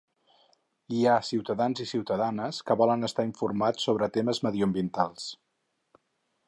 Hi ha ciutadans i ciutadanes que volen estar informats sobre temes mediambientals.